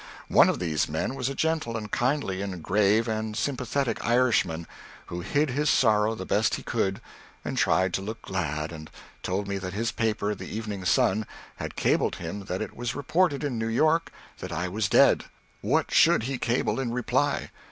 One of these men was a gentle and kindly and grave and sympathetic Irishman, who hid his sorrow the best he could, and tried to look glad, and told me that his paper, the Evening Sun, had cabled him that it was reported in New York that I was dead. What should he cable in reply?